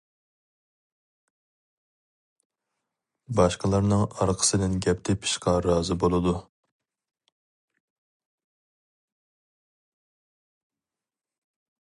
باشقىلارنىڭ ئارقىسىدىن گەپ تېپىشقا رازى بولىدۇ.